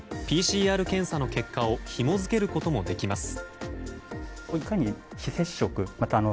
ＰＣＲ検査の結果をひも付けることもできます。